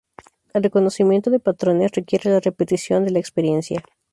El reconocimiento de patrones requiere la repetición de la experiencia.